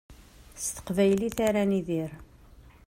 S teqbaylit ara nidir.